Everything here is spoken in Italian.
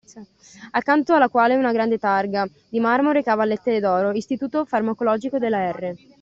Accanto alla quale una grande targa di marmo recava a lettere d'oro: Istituto Farmacologico della R.